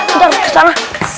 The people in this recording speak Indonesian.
udah harus kesana